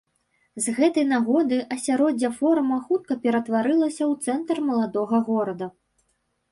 З гэтай нагоды асяроддзе форума хутка ператварылася ў цэнтр маладога горада.